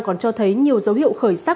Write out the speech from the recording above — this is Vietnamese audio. còn cho thấy nhiều dấu hiệu khởi sắc